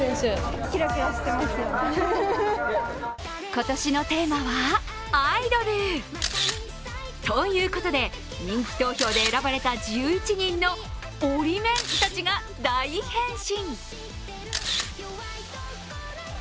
今年のテーマは、アイドル！ということで人気投票で選ばれた１１人のオリメンたちが大変身！